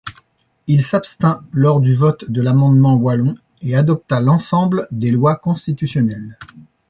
Il s’abstint lors du vote de l’amendement Wallon et adopta l’ensemble des lois constitutionnelles.